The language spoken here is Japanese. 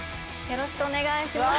よろしくお願いします。